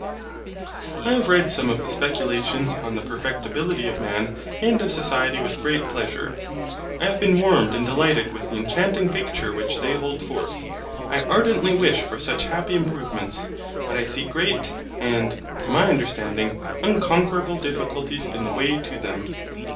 I have read some of the speculations on the perfectibility of man and of society with great pleasure. I have been warmed and delighted with the enchanting picture which they hold forth. I ardently wish for such happy improvements. But I see great, and, to my understanding, unconquerable difficulties in the way to them.